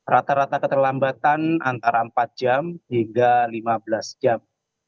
rata rata keterlambatan antara empat jam hingga lima belas jam